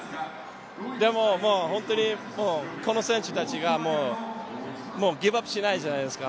でも、もう本当にこの選手たちがギブアップしないじゃないですか。